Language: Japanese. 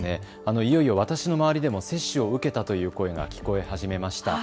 いよいよ私の周りでも接種を受けたという声が聞こえ始めました。